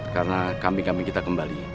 karena kambing kambing kita kembali